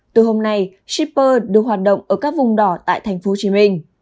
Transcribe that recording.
từ hôm nay shipper được hoạt động ở các vùng đỏ tại tp hcm